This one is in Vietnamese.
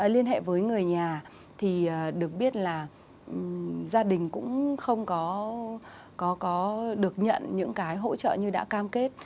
liên hệ với người nhà thì được biết là gia đình cũng không có được nhận những cái hỗ trợ như đã cam kết